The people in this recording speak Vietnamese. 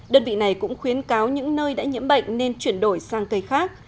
đơn vị này cũng khuyến cáo những nơi đã nhiễm bệnh nên chuyển đổi sang cây khác